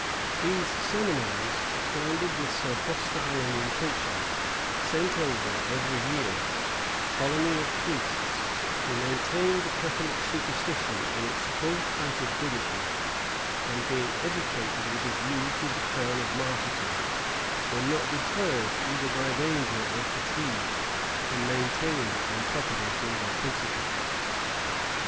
These seminaries, founded with so hostile an intention, sent over, every year, a colony of priests, who maintained the Catholic superstition in its full height of bigotry; and being educated with a view to the crown of martyrdom, were not deterred, either by danger or fatigue, from maintaining and propagating their principles.